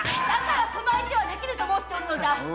その相手はできぬと申しておるのじゃ！